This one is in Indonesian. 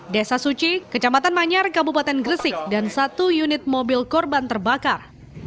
desa suci kecamatan manyar kabupaten gresik dan satu unit mobil korban terbakar